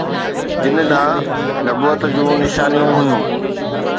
جن ڏانهن نبوت جون نشانيون هيون